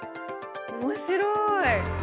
面白い。